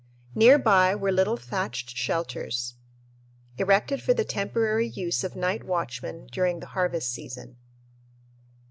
Near by were little thatched shelters, erected for the temporary use of night watchmen during the harvest season.